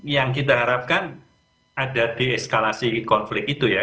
yang kita harapkan ada di eskalasi konflik itu ya